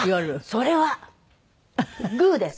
それはグーです。